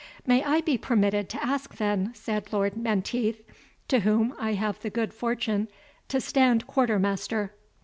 "May I be permitted to ask, then," said Lord Menteith, "to whom I have the good fortune to stand quarter master?"